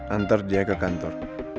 antar dia ke kantor